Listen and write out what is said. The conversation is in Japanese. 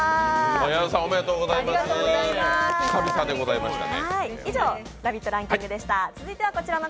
矢田さん、おめでとうございます、久々でございましたね。